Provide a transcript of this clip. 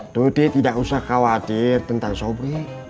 dodi tidak usah khawatir tentang sobri